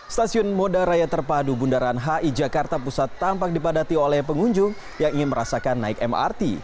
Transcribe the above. stasiun moda raya terpadu bundaran hi jakarta pusat tampak dipadati oleh pengunjung yang ingin merasakan naik mrt